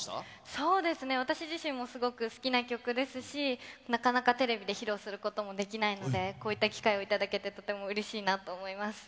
そうですね、私自身もすごく好きな曲ですし、なかなかテレビで披露することもできないので、こういった機会を頂けて、とてもうれしいなと思います。